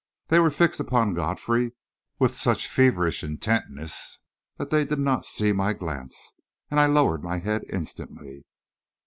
They were fixed upon Godfrey with such feverish intentness that they did not see my glance, and I lowered my head instantly.